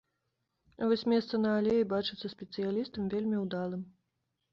А вось месца на алеі бачыцца спецыялістам вельмі ўдалым.